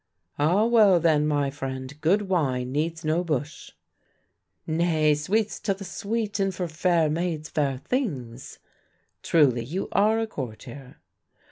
"Ah well then, my friend, good wine needs no bush." "Nay, sweets to the sweet, and for fair maids fair things." "Truly you are a courtier."